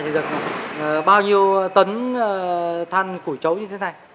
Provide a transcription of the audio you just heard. thì được bao nhiêu tấn than củi chấu như thế này